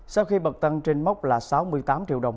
sau khi bật tăng trên mốc là sáu mươi tám triệu đồng